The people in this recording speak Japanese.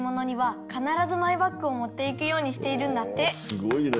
すごいね。